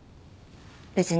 別に。